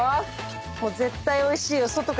絶対おいしいよ。